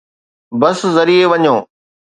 بس ذريعي وڃو